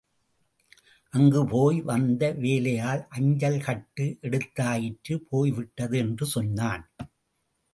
அங்கு போய் வந்த வேலையாள், அஞ்சல் கட்டு எடுத்தாயிற்று போய்விட்டது என்று சொன்னான்.